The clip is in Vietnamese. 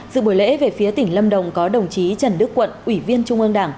dự buổi lễ về phía tỉnh lâm đồng có đồng chí trần đức quận ủy viên trung ương đảng